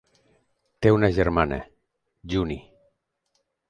Té una germana, Junie.